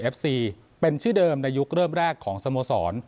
เป็นชื่อเดิมในยุคเริ่มแรกของสโมสร